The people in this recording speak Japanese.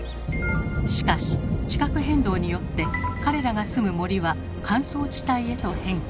しかし地殻変動によって彼らが住む森は乾燥地帯へと変化。